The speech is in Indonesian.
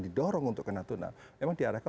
didorong untuk ke natuna memang diarahkan